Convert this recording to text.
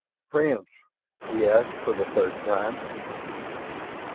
"Friends?" he asked for the third time.